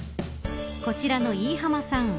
こちらの飯浜さん。